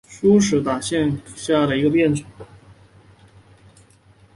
疏齿红丝线为茄科红丝线属下的一个变种。